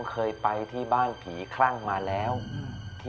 เราไม่สามารถติดต่อกับน้องทางฟัง